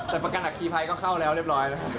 แต่ประกันหักคีพัยก็เข้าแล้วเรียบร้อย